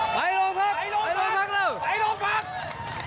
ไปโรงพักไปโรงพักไปโรงพักเร็ว